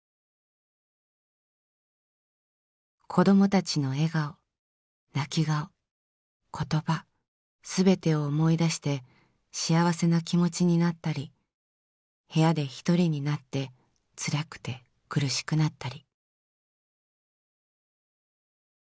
「子供達の笑顔、泣き顔、言葉全てを思い出して、幸せな気持ちになったり、部屋で１人になってツラクて苦しくなったり」。